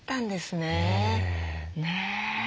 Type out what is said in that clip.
ねえ。